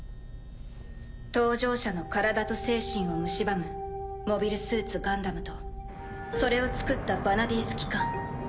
搭乗者の体と精神を蝕むモビルスーツガンダムとそれを造ったヴァナディース機関。